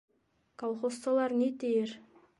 Колхозсылар ни тиер...